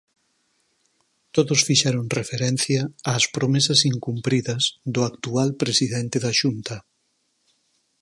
Todos fixeron referencia ás promesas incumpridas do actual presidente da Xunta.